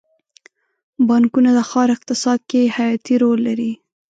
بانکونه د ښار اقتصاد کې حیاتي رول لري.